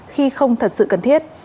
khi không thật sự cần thiết